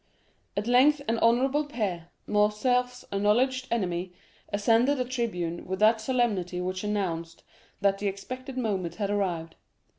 At length an honorable peer, Morcerf's acknowledged enemy, ascended the tribune with that solemnity which announced that the expected moment had arrived.